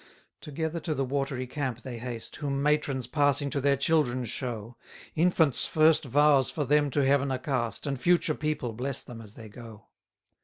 51 Together to the watery camp they haste, Whom matrons passing to their children show: Infants' first vows for them to heaven are cast, And future people bless them as they go.